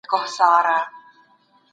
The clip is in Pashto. ايا ته هره ورځ د کتاب لوستلو وخت لرې؟